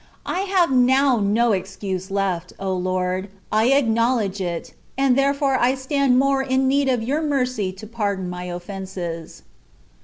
I have now no excuse left ; O Lord, I acknowledge it, and therefore I stand more in need of Your mercy to pardon my offences.